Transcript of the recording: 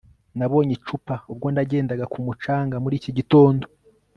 Nabonye icupa ubwo nagendaga ku mucanga muri iki gitondo